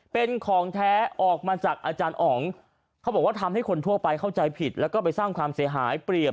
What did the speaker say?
เป็นของแท้ออกมาจากอาจารย์อ๋องเขาบอกว่าทำให้คนทั่วไปเข้าใจผิดแล้วก็ไปสร้างความเสียหายเปรียบ